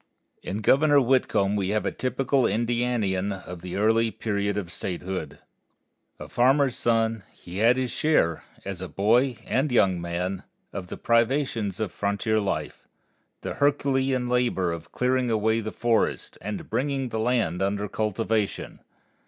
In Governor Whitcomb we have a typical Indianian of the early period of statehood. A farmer's son, he had his share, as a boy and young man, of the privations of frontier life, the Herculean labor of clearing away the forests, and bringing the land under cultivation.